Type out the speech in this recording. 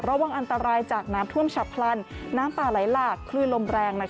ระวังอันตรายจากน้ำท่วมฉับพลันน้ำป่าไหลหลากคลื่นลมแรง